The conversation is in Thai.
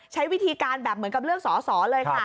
ใช้วิธีการแบบเหมือนกับเลือกสอสอเลยค่ะ